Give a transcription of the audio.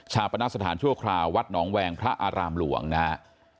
ปณสถานชั่วคราววัดหนองแวงพระอารามหลวงนะครับ